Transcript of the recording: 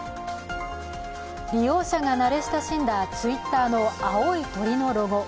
利用者が慣れ親しんだＴｗｉｔｔｅｒの青い鳥のロゴ。